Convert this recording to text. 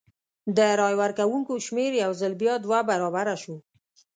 د رای ورکوونکو شمېر یو ځل بیا دوه برابره شو.